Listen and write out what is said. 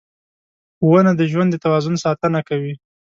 • ونه د ژوند د توازن ساتنه کوي.